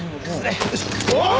おい！